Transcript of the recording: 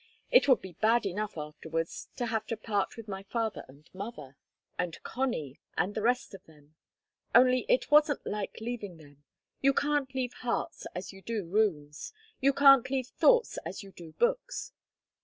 It would be bad enough afterwards to have to part with my father and mother and Connie, and the rest of them. Only it wasn't like leaving them. You can't leave hearts as you do rooms. You can't leave thoughts as you do books.